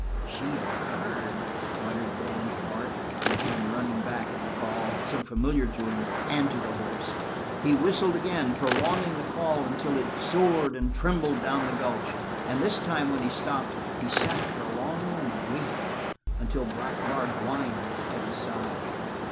"She ain't heard," muttered Dan to Bart, who came running back at the call, so familiar to him and to the horse. He whistled again, prolonging the call until it soared and trembled down the gulch, and this time when he stopped he sat for a long moment, waiting, until Black Bart whined at his side.